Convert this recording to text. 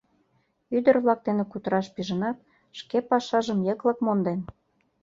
Ӱдыр-влак дене кутыраш пижынат, шке пашажым йыклык монден.